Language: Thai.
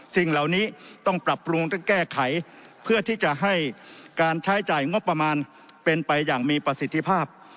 สิ่งเหล่านี้ต้องปรับปรุงต้องแก้ไขเพื่อที่จะให้การใช้จ่ายงบประมาณเป็นไปอย่างมีประสิทธิภาพ